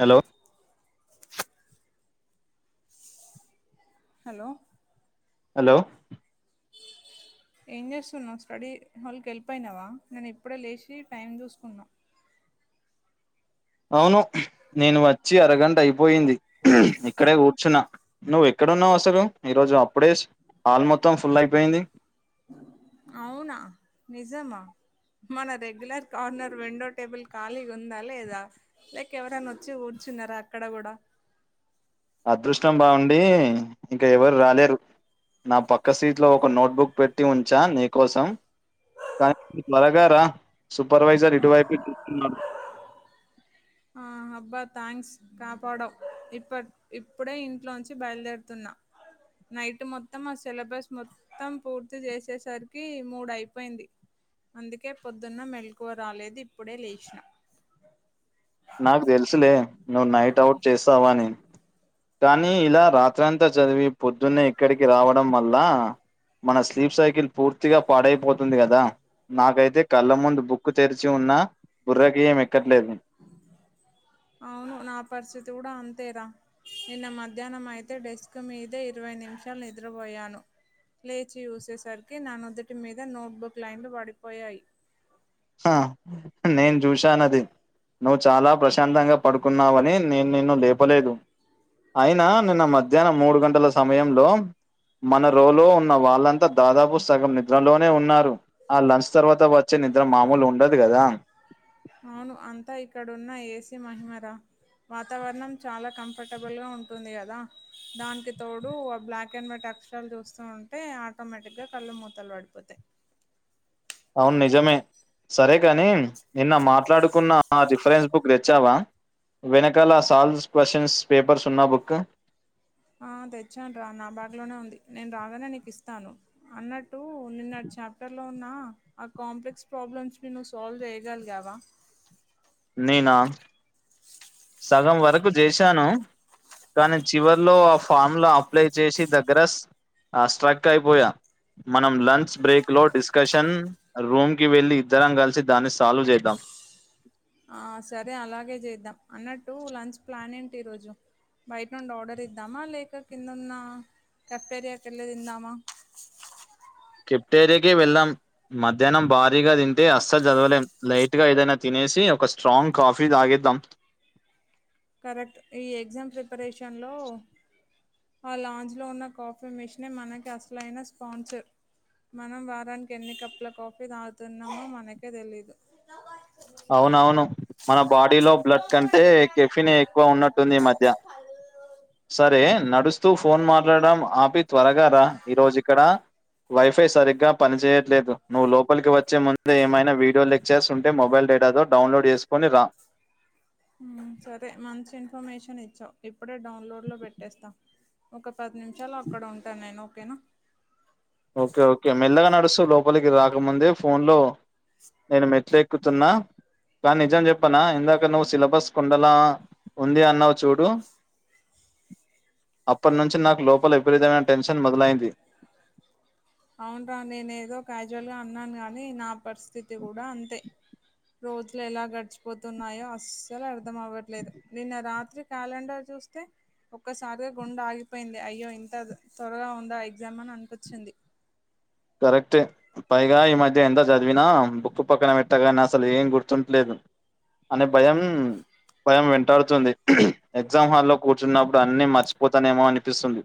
Hello. Hello. Hello. ఏం చేస్తున్నాం study హాల్కి వెళ్ళిపోయినావా నేను ఇప్పుడే లేసి టైం చూసుకున్నా. అవును నేను వచ్చి అరగంట అయిపోయింది ఇక్కడే కూర్చున్నా. నువ్వు ఎక్కడున్నావు అసలు ఈ రోజు అప్పుడేస్ హాల్ మొత్తం ఫుల్ అయిపోయింది. అవునా నిజమా. మన రెగ్యులర్ కార్నర్ విండో టేబుల్ ఖాళీగా ఉందా లేదా లేక ఎవరన్నా వచ్చి కూర్చున్నారా అక్కడ కూడా అదృష్టం బాగుండి ఇంకా ఎవరు రాలేరు నా పక్క సీట్ లో ఒక నోట్ బుక్ పెట్టి ఉంచా నీకోసం కానీ త్వరగా రా సూపర్వైజర్ ఇటువైపే తిరుగుతున్నాడు ఆ అబ్బా థ్యాంక్స్ కాపాడావ్ ఇప్పట్ ఇప్పుడే ఇంట్లో నుంచి బయలుదేరుతున్నా నైట్ మొత్తం మా సిలబస్ మొత్ త్తం పూర్తి చేసేసరికి మూడు అయిపోయింది అందుకే పొద్దున్న మెలకువ రాలేదు ఇప్పుడే లేస్నా నాకు తెలుసులే నువ్వు నైట్ అవుట్ చేస్తావని కానీ ఇలా రాత్రి అంతా చదివి పొద్దున్నే ఇక్కడికి రావడం వల్ల మన స్లీప్ సైకిల్ పూర్తిగా పాడైపోతుంది కదా నాకైతే కళ్ళ ముందు బుక్ తెరిచి ఉన్నా బుర్రకి ఏం ఎక్కట్లేదు అవును నా పరిస్థితి కూడా అంతేరా నిన్న మధ్యాహ్నం అయితే డెస్క్ మీదే ఇరవై నిమిషాలు నిద్రపోయాను లేచి చూసేసరికి నానొదుటి మీద నోట్బుక్ లైన్లు పడిపోయాయి ఆ నేను చూసానది నువ్వు చాలా ప్రశాంతంగా పడుకున్నావని నేను నిన్ను లేపలేదు అయినా నిన్న మధ్యాహ్నం మూడు గంటల సమయంలో మన రోలో ఉన్న వాళ్ళంతా దాదాపు సగం నిద్రలోనే ఉన్నారు ఆ లంచ్ తర్వాత వచ్చే నిద్ర మామూలు ఉండదు కదా అవును అంతా ఇక్కడున్న ఏసీ మహిమరా వాతావరణం చాలా కంఫర్టబుల్గా ఉంటుంది కదా దానికి తోడు ఆ బ్లాక్ అండ్ వైట్ అక్షరాలు చూస్తూ ఉంటే ఆటోమేటిక్ గా కళ్ళు మూతలు పడిపోతాయి అవును నిజమే సరే కాని నిన్న మాట్లాడుకున్న ఆ రిఫరెన్స్ బుక్ తెచ్చావా వెనకాల సాల్వ్స్ క్వశ్చన్స్ పేపర్స్ ఉన్న బుక్ ఆ తెచ్చాన్ రా నా బ్యాగ్ లోనే ఉంది నేను రాగానే నీకు ఇస్తాను అన్నట్టు నిన్నటి చాప్టర్లో ఉన్న ఆ కాంప్లెక్స్ ప్రాబ్లమ్స్ ని నువ్వు సాల్వ్ చేయగలిగావా నేనా సగం వరకు చేశాను కానీ చివరిలో ఆ ఫార్ములా అప్లై చేసే దగ్గర ఆ స్ట్రక్ అయిపోయా మనం లంచ్ బ్రేక్ లో డిస్కషన్ రూమ్ కి వెళ్ళి ఇద్దరం కలిసి దాన్ని సాల్వ్ చేద్దాం ఆ సరే అలాగే చేద్దాం అన్నట్టు లంచ్ ప్లాన్ ఏంటి ఈరోజు బయట నుండి ఆర్డర్ ఇద్దామా లేక కింద ఉన్న క్యాఫ్టీరియా కి ఎళ్ళి తిందామా కెప్టేరియాకి వెళ్ళాం మధ్యాహ్నం భారీగా తింటే అస్సల్ చదవలేం లైట్ గా ఏదైనా తినేసి ఒక స్ట్రాంగ్ కాఫీ తాగేద్దాం కరెక్ట్ ఈ ఎగ్జామ్ ప్రిపరేషన్ లో ఆ లాంజ్ లో ఉన్న కాఫీ మెషనే మనకి అసలైన స్పాన్సర్ మనం వారానికి ఎన్ని కప్పుల కాఫీ తాగుతున్నామో మనకే తెలీదు నో పార్క్ అవునవును మన బాడీలో బ్లడ్ కంటే కెఫినే ఎక్కువ ఉన్నట్టుంది ఈ మధ్య సరే నడుస్తూ ఫోన్ మాట్లాడ ఆపి త్వరగాారా ఈరోోజు ఇక్కడ వైఫై సరిగ్గా పనిచేయ లేదు నువ్వు లోపలికి వచ్చే ముంద ఏమైనా వీడియో లెక్చర్స్ ఉంటే మొబైల్ డేటాతోో డౌన్లోడ్ చేసుకొని రా హ్మ్ సరే మంచి ఇన్ఫర్మేషన్ ఇచ్చావు ఇప్పుడే డౌన్లోడ్లో పెట్టేస్తాం ఒక పది నిమిషాలు అక్కడ ఉంటాను నేను ఓకేనా ఓకే ఓకే మెల్లగా నడుస్తూ లోపలికి రాకముందే ఫోన్ లో నేను మెట్లెక్కుతున్నా కానీ నిజం చెప్పనా ఇందాక నువ్వు సిలబస్ కొండలా ఉంది అన్నావు చూడు అప్పటి నుంచి నాకు లోపల విపరీతమైన టెన్షన్ మొదలైంది అవునరా నేనే ఏదో క్యాజువల్గా అన్నాను కాగాని నా పరిస్థితి కూడా అంతే రోజులు ఎలా గడిచిపోతున్నాయో అస్సలు అర్థం అవ్వట్లేదు నిన్న రాత్రి క్యాలెండర్ చూస్తే ఒక్కసారిగా గుండె ఆగిపోయింది అయ్యో ఇంత త్వరగా ఉందా ఎగ్జామ్ అని అనిపచ్చింది కరెక్ట్ ఏ పైగా ఈ మధ్య ఎంత చదివినా బుక్కు పక్కన పెట్టగానే అసలు ఏం గుర్తుట్లేదు అనె భయం భయం వెంటాడుతుంది ఎగ్జామ్ హాల్లో కూర్చున్నప్పుడు అన్నీ మర్చిపోతానేమో అనిపిస్తుంది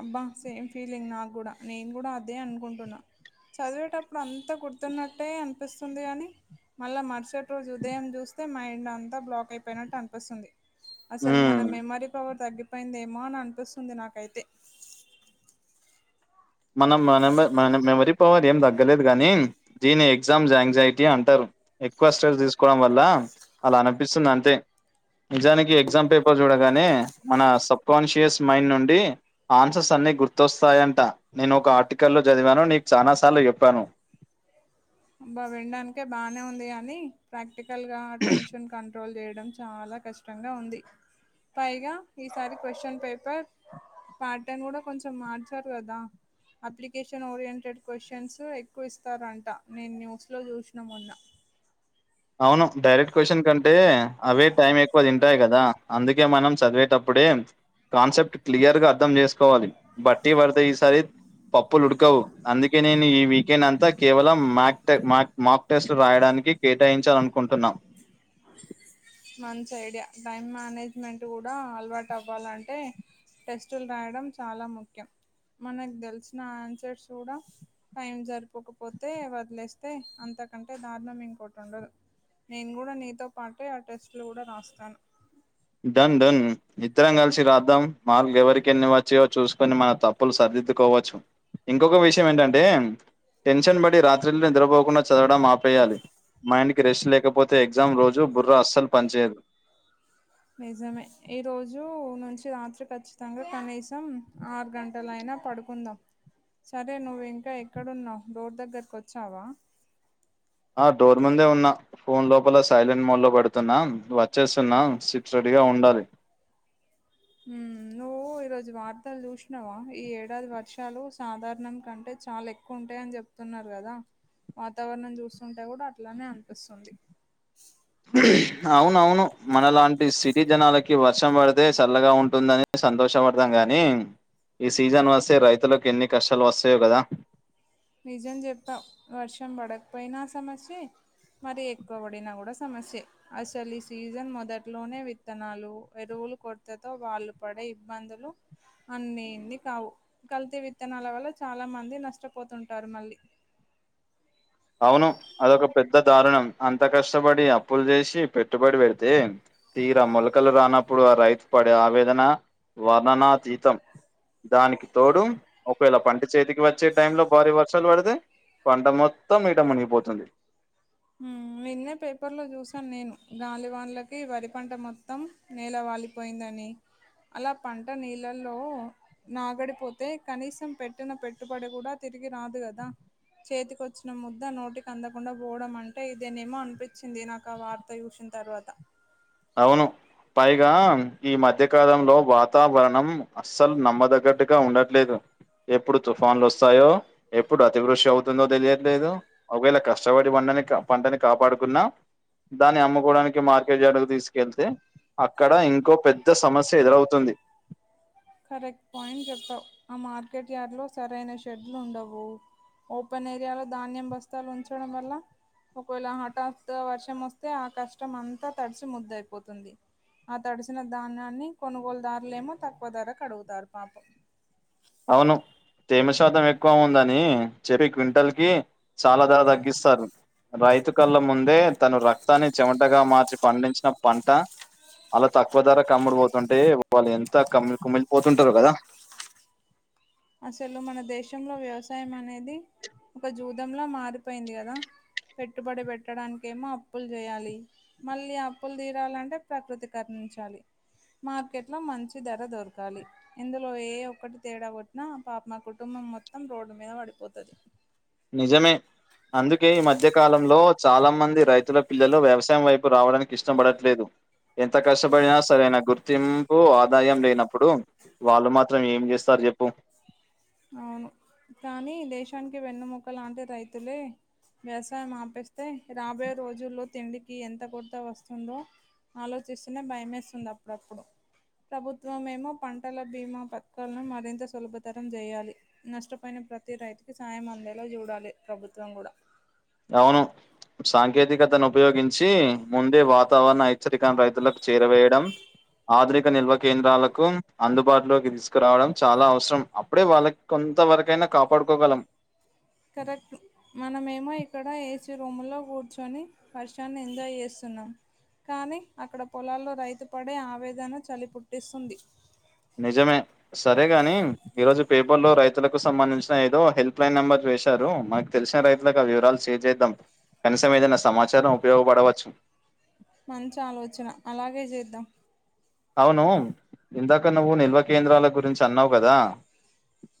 అబ్బా సేమ్ ఫీలింగ్ నాకు కూడా నేను కూడా అదే అనుకుంటున్నా చదివేటప్పుడు అంతా గుర్తున్నట్టే అనిపిస్తుంది కానీ మళ్ళా మరుసటి రోజు ఉదయం చూస్తే మైండ్ అంతా బ్లాక్ అయిపోయినట్టు అనిపిస్తుంది అసలు మ్మ్. మన మెమరీ పవర్ తగ్గిపోయిందేమో అని అనిపిస్తుంది నాకైతే మన మన మన మెమరీ పవర్ ఏం తగ్గలేదు గాని దీని ఎగ్జామ్స్ ఎయాంగ్జైటీ అంటారు ఎక్కువ స్ట్రెస్ తీసుకోవడం వల్ల అలా అనిపిస్తుంది అంతే నిజానికి ఎగ్జామ్ పేపర్ చూడగానే మన సబ్కాన్షియస్ మైండ్ నుండి ఆన్సర్స్ అన్ని గుర్తొస్తాయంట నేను ఒక ఆర్టికల్లో చదివాను నీకు చాలా సార్లు చెప్పాను అబ్బా వినడానికే బాగానే ఉంది అని ప్రాక్టికల్ గా టెన్షన్ ట్రోల్ చేయడం చాలా కష్టంగా ఉంది పైగా ఈసారి క్వశ్చన్ పేపర్ పాయటన్ కూడా కొంచం మార్చారు కదా అప్లికేషన్ ఓరియంటెడ్ క్వశ్చన్స్ ఎక్కువ ఇస్తారంట నేను న్యూస్ లో చూసినా మొన్న అవును డైరెక్ట్ క్వ్చన్ కంటే అవే టైం ఎక్కువ తింటాయి కదా అందుకే ఇగ మనం చదివేటప్పుడే కాన్సెప్ట్ క్లియర్ గా అర్థం చేసుకుం కోవాలి బట్టి పడితే ఈసారి పప్పులు ఉడకవు అందుకే నేను ఈ వీకెండ్ అంతా కేవలం మ్యాట్ మ్యా మాక్ టెస్ట్లు రాయడానికి కేటాయించాలనుకుంటున్నా మంచి ఐడియా టైం మేనేజ్మెంట్ కూడా అలవాటు అవ్వాలంటే టెస్టులు రాయడం చాలా ముఖ్యం మనకు తెలిసిన ఆన్సర్స్ కూడా టైం సరిపోకపోతే వదిలేస్తే అంతకంటే దారుణం ఇంకోటి ఉండదు నేను కూడా నీతో పాటే ఆ టెస్ట్లు కూడా రాస్తాను ధన్ ధన్ ఇద్దరం కలిసి రాద్దాం మార్కులు ఎవరికి ఎన్ని వచ్చాయో చూసుకొని మన తప్పులు సరిదిద్దుకోవచ్చు ఇంకొక విషయం ఏంటంటే టెన్షన్ పడి రాత్రిలు నిద్రపోకుండా చదవడం ఆపేయాలి మైండ్ కి రెస్ట్ లేకపోతే ఎగ్జామ్ రోజు బుర్ర అస్సలు పనిచయదు నిజమే ఈరోజు నుంచి రాత్రి ఖచ్చితంగా కనీసం ఆరు గంటల అయినా పడుకుందాం సరే నువ్వు ఇంకా ఎక్కడున్నావ్ డోర్ దగ్గరకి వచ్చావా ఆ డోర్ ముందే ఉన్నా ఫోన్ లోపల సైలెంట్ మోడ్లో పెడుతున్నా వచ్చేస్తున్నా సిక్స్ రెడీగా ఉండాలి నువ్వు ఈ రోజు వార్తలు చూసినావా ఈ ఏడాది వర్షాలు సాధారణం కంటే చాలా ఎ ఉంటాయి అని చెప్తున్నారు కదా వాతావరణం చూస్తుంటే కూడా అట్లనే అనిపిస్తుంది అవును అవును మనలాంటి సిటీ జనాలకి వర్షం పడితే చల్లగా ఉంటుందని సంతోషపడతం గాని ఈ సీజన్ వస్తే రైతులకు ఎన్ని కష్టాలు వస్తాయో కదా నిజం జెప్పావు వర్షం పడకపోయినా సమస్యే మరీ ఎక్కువ పడినా కూడా సమస్యే అసలు ఈ సీజన్ మొదట్లోనే విత్తనాలు ఎరువులు కొరతతో వాళ్ళు పడే ఇబ్బందులు అన్ని ఇన్ని కావు కల్తీ విత్తనాల వల్ల చాలా మంది నష్టపోతుంటారు మళ్ళీ అవును అదొక పెద్ద దారుణం అంత కష్టపడి అప్పులు జేసి పెట్టుబడి పెడితే తీర మొలకలు రానప్పుడు ఆ రైతు పడే ఆవేదన వర్ణనాతీతం దానికి తోడు ఒకవేళ పంట చేతికి వచ్చే టైంలో భారీ వర్షాలు పడితే పంట మొత్తం మీట మునిగిపోతుంది ఉ నిన్నే పేపర్లో చూసాను నేను గాలివాన్లకి వరి పంట మొత్తం నేల వాలిపోయిందని అలా పంట నీళ్ళల్లో నాగడిపోతే కనీసం పెట్టిన పెట్టుబడి కూడా తిరిగి రాదు కదా చేతికిచ్చిన ముద్ద నోటికి అందకుండా పోవడం అంటే ఇదేనేమో అనిపించింది నాకు ఆ వార్త చూసిన తర్వాత అవును పైగా ఈ మధ్యకాలంలో వాతావరణం అస్సలు నమ్మదగ్గట్టుగా ఉండట్లేదు ఎప్పుడు తుఫాన్లు వస్తాయో ఎప్పుడు అతివృష్ అవుతుందో తెలియట్లేదు ఒకవేళ కష్టపడి పంటని పంటని కాపాడుకున్నా దాన్ని అమ్ముకోవడానికి మార్కెట్ యార్డు తీసుకెళ్తే అక్కడ ఇంకో పెద్ద సమస్య ఎదురవుతుంది కరెక్ట్ పాయింట్ చెప్పావ్ ఆ మార్కెట్ యార్డ్లో సరైన షెడ్లు ఉండవు ఓపెన్ ఏరియాలో ధాన్యం బస్తాలు ఉంచడం వల్ల ఒకవేళ హఠాత్ వర్షం వస్తే ఆ కష్టం అంతా తడిసి ముద్ద అయిపోతుంది ఆ తడిసిన ధాన్యాన్ని కొనుగోలుదార్లేమో తక్కువ ధరకడుగుతారు పాప అవును తేమ శాతం ఎక్కువ ఉందని చెప్పి క్వింటల్ కి చాలా ధర తగ్గిస్తారు రైతు కల్ల ముందే తను రక్తాన్ని చెమటగా మార్చి పండించిన పంట అలా తక్కువ ధరకమ్ముడి పోతుంటే వాళ్ళు ఎంత కమ్మి కుమ్మిలిపోతుంటారు కదా అసలు మన దేశంలో వ్యవసాయం అనేది ఒక జూదంలా మారిపోయింది కదా పెట్టుబడి పెట్టడానికేమో అప్పులు జేయాలి మళ్ళీ అప్పులు తీరాలంటే ప్రకృతి కరణించాలి మార్కెట్లో మంచి ధర దొరకాలి ఇందులో ఏ ఒక్కటి తేడా కొ నా పాపం కుటుంబం మొత్తం రోడ్డు మీద పడిపోతది నిజమే అందుకే ఈ మధ్య కాలంలో చాలా మంది రైతుల పిల్లలు వ్యవసాయం వైపు రావడానికి ఇష్టపడట్లేదు ఎంత కష్టపడినా సరైన గుర్తింపు ఆదాయం లేనప్పుడు వాళ్ళు మాత్రం ఏం జేస్తారు చెప్పు అవును కానీ దేశానికి వెన్నుముక లాంటి రైతులే వ్యవసాయం ఆపేస్తే రాబోయే రోజుల్లో తిండికి ఎంత కొర్త వస్తుందో ఆలోచిస్తూనే భయమేస్తుంది అప్పుడప్పుడు ప్రభుత్వమెమో పంటల బీమా పథకాలను మరింత సులభతరం చేయాలి నష్టపోయిన ప్రతి రైతుకి సాయం అందేలా చూడాలి ప్రభుత్వం గూడ అవును సాంకేతికతను ఉపయోగించి ముందే వాతావరణ హెచ్చరికను రైతులకు చేరవేయడం ఆధునిక నిల్వ కేంద్రాలకు అందుబాటులోకి తీసుకురావడం చాలా అవ్సరం అప్పుడే వాళ్ళక్ కొంతవరకైనా కాపాడుకోగలం కరెక్ట్ మనమేమో ఇక్కడ ఏసీ రూమ్లో కూర్చొని వర్షాన్ని ఎంజాయ్ చేస్తున్నాం కానీ అక్కడ పొలాల్లో రైతు పడే ఆవేదన చలి పుట్టిస్తుంది నిజమే సరే గాని ఈరోజు పేపర్లో రైతులకు సంబంధించిన ఏదో హెల్ప్ లైన్ నెంబర్ వేసారు మనక్ తెలిసిన రైతులకు ఆ వివరాలు షేర్ చేద్దాం కనీసం ఏదనా సమాచారం ఉపయోగపడవచ్చు మంచి ఆలోచన అలాగే చేద్దాం అవును ఇందాక నువ్వు నిల్వ కేంద్రాల గురించి అన్నావ్ కదా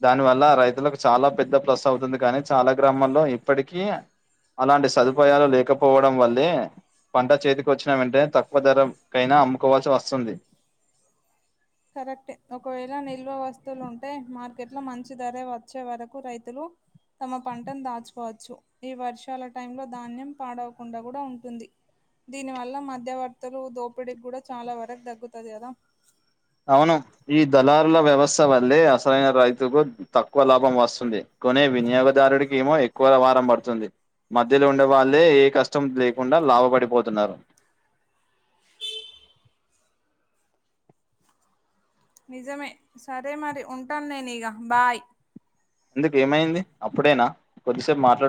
దాని వల్ల రైతులకు చాలా పెద్ద ప్లస్ అవుతుంది కానీ చాలా గ్రామాల్లో ఇప్పటికీ అలాంటి సదుపాయాలు లేకపోవడం వల్లే పంట చేతికి వచ్చిన వెంటనే తక్కువ ధర కైనా అమ్ముకోవాల్సి వస్తుంది కరెక్టె ఒకవేళ నిల్వ వస్తువులుంటే మార్కెట్లో మంచి ధర వచ్చే వరకు రైతులు తమ పంటను దాచుకోవచ్చు ఈ వర్షాల టైంలో ధాన్యం పాడవకుండా కూడా ఉంటుంది దీనివల్ల మధ్యవర్తులు దోపిడీకి కూడా చాలా వరకు తగ్గుతది కదా అవును ఈ దళారుల వ్యవస్థ వల్లే అసలైన రైతుకు తక్కువ లాభం వస్తుంది కొనే వినియోగదారుడికేమో ఎక్కువ వారం పడుతుంది మధ్యలో ఉండే వాళ్ళే ఏ కష్టం లేకుండా లాభ పడిపోతున్నారు నిజమే సరే మరి ఉంటాను నేను ఇగ బాయ్ ఎందుకేమైంది అప్పుడెనా కొద్దిసేపు మాట్లాడొ